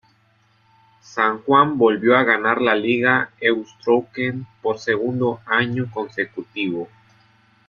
San Juan volvió a ganar la liga Euskotren por segundo año consecutivo.